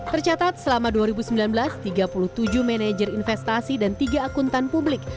tercatat selama dua ribu sembilan belas tiga puluh tujuh manajer investasi dan tiga akuntan publik